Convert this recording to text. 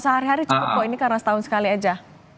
sebenarnya kalau sehari hari cukup kok ini karena setahun sekali aja